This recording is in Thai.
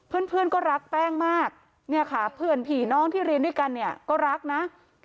เพื่อนก็รักแป้งมากเนี่ยค่ะเพื่อนผีน้องที่เรียนด้วยกันเนี่ยก็รักนะ